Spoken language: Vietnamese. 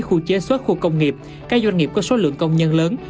khu chế xuất khu công nghiệp các doanh nghiệp có số lượng công nhân lớn